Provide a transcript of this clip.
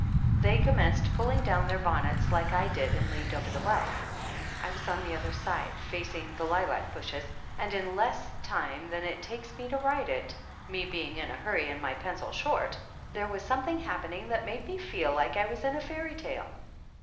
They commenced pulling down their bonnets like I did and leaned over the well. I was on the other side, facing the lilac bushes and in less time than it takes me to write it, me being in a hurry and my pencil short, there was something happening that made me feel like I was in a fairy tale.